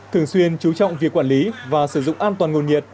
thường xuyên chú trọng việc quản lý và sử dụng an toàn nguồn nhiệt